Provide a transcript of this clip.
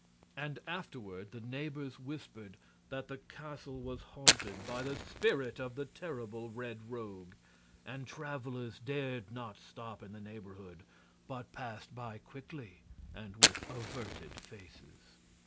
And afterward the neighbors whispered that the castle was haunted by the spirit of the terrible Red Rogue, and travelers dared not stop in the neighborhood, but passed by quickly and with averted faces.